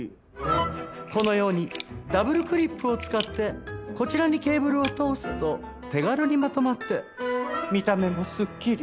このようにダブルクリップを使ってこちらにケーブルを通すと手軽にまとまって見た目もスッキリ。